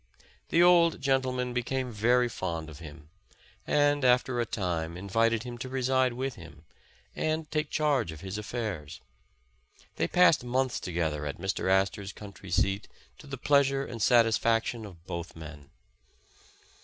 The old gentleman became very fond of him, and after a time invited him to reside with him, and take charge of his affairs. They passed months together at Mr. Astor 's country seat, to the pleasure and satisfaction of both men.